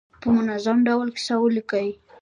په منظم ډول کیسه ولیکي.